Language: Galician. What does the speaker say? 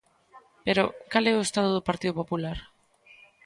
Pero, cal é o estado do Partido Popular?